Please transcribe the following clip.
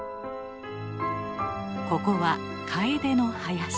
ここはカエデの林。